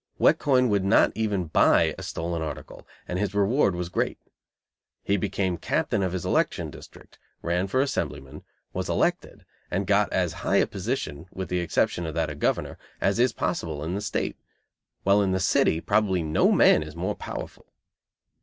Wet Coin would not even buy a stolen article; and his reward was great. He became captain of his election district, ran for assemblyman, was elected, and got as high a position, with the exception of that of Governor, as is possible in the State; while in the city, probably no man is more powerful.